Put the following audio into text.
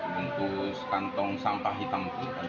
bungkus kantong sampah hitam